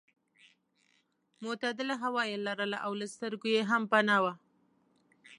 معتدله هوا یې لرله او له سترګو یې هم پناه وه.